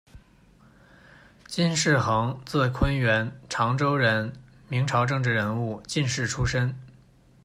金士衡，字昆源，，长洲人，明朝政治人物、进士出身。